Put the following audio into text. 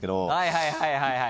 はいはいはいはい。